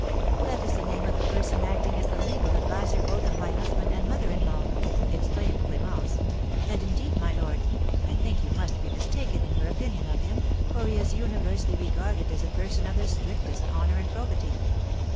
"That is the name of the person acting as the legal adviser both of my husband and mother in law," exclaimed Clémence; "and, indeed, my lord, I think you must be mistaken in your opinion of him, for he is universally regarded as a person of the strictest honour and probity."